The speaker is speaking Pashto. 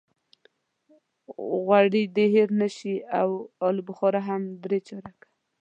غوړي دې هېر نه شي او الوبخارا هم درې چارکه.